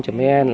là hệ thống